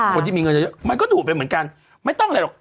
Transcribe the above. คนที่มีเงินเยอะมันก็ดูดไปเหมือนกันไม่ต้องอะไรหรอก